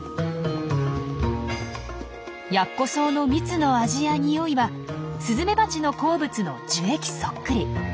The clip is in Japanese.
ヤッコソウの蜜の味や匂いはスズメバチの好物の樹液そっくり。